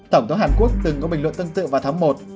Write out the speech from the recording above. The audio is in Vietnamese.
tổng thống hàn quốc từng có bình luận tương tự vào tháng một